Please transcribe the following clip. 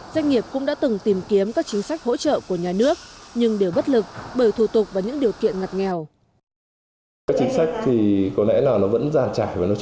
doanh nghiệp cũng đã từng tìm kiếm các chính sách hỗ trợ của nhà nước nhưng đều bất lực bởi thủ tục và những điều kiện ngặt nghèo